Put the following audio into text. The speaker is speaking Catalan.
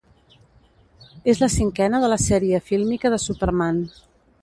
És la cinquena de la sèrie fílmica de Superman.